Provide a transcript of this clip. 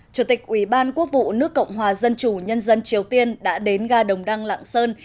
chủ tịch ủy ban quốc vụ nước cộng hòa dân chủ nhân dân triều tiên đã đến ga đồng đăng lạng sơn